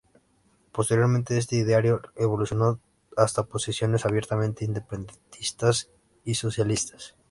Posteriormente este ideario evolucionó hasta posiciones abiertamente independentistas y socialistas.